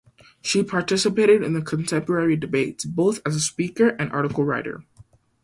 She participated in the contemporary debates both as a speaker and article writer.